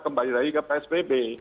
kembali lagi ke psbb